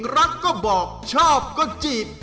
รักก็บอกชอบก็จีบ